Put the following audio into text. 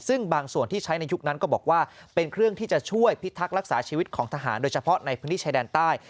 ซึ่งบางส่วนที่ใช้ในยุคนั้นก็บอกว่าเป็นเครื่องที่จะช่วยพิทักษ์รักษาชีวิตของทหารโดยเฉพาะในพื้นที่ชายแดนใต้